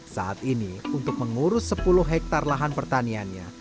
saat ini untuk mengurus sepuluh hektare lahan pertaniannya